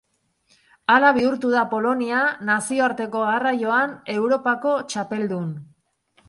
Hala bihurtu da Polonia nazioarteko garraioan Europako txapeldun.